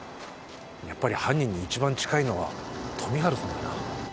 やっぱり犯人に一番近いのは富治さんだな。